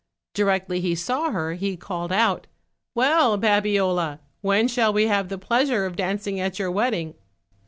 Directly he saw her he called out: "Well, Babiola, when shall we have the pleasure of dancing at your wedding?"